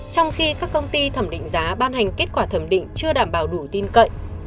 trong khi các công ty thẩm định giá ban hành kết quả thẩm định chưa đảm bảo đủ tin cậy